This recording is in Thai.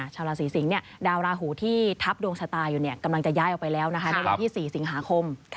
ชาวราศีสิงศ์ดาวราหูที่ทับดวงชะตาอยู่กำลังจะย้ายออกไปแล้วนะคะในวันที่๔สิงหาคม